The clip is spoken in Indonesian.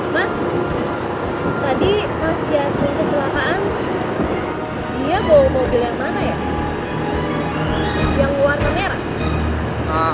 mas tadi pas ya sebelum kecelakaan dia bawa mobil yang mana ya yang warna merah